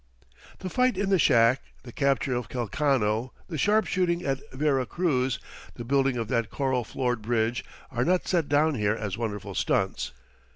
The fight in the shack, the capture of Calcano, the sharpshooting at Vera Cruz, the building of that coral floored bridge, are not set down here as wonderful stunts.